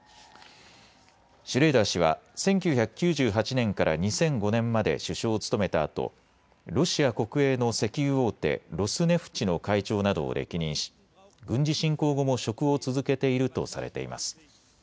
シュレーダー氏は１９９８年から２００５年まで首相を務めたあとロシア国営の石油大手、ロスネフチの会長などを歴任し軍事侵攻後も職を続けているとされています。